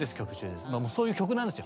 まあもうそういう曲なんですよ。